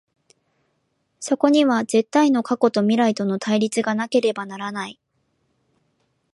そこには絶対の過去と未来との対立がなければならない。